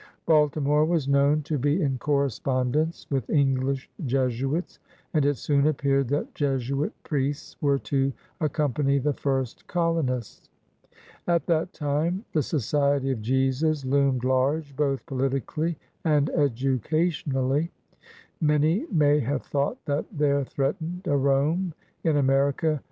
Baltimore was known to be in correspondence with English Jesuits, and it soon appeared that Jesuit priests were to accom* pany the first colonists. At that time the Society of Jesus loomed large both politically and edu* cationally. Many may have thought that there threatened a Rome in America.